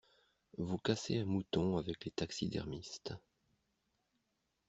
Vous cassez un mouton avec les taxidermistes.